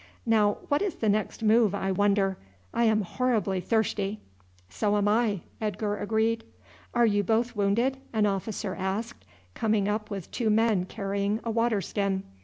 Now, what is the next move, I wonder? I am horribly thirsty." "So am I," Edgar agreed. "Are you both wounded?" an officer asked, coming up with two men carrying a water skin.